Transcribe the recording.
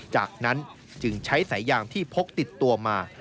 จากนั้นจึงใช้สายยางที่พกติดตัวมา